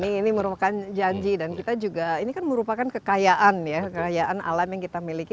ini merupakan janji dan kita juga ini kan merupakan kekayaan ya kekayaan alam yang kita miliki